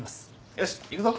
よし行くぞ！